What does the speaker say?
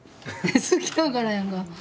好きやからやんか。